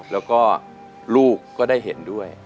แล้วก็ลูกก็ได้เห็นด้วย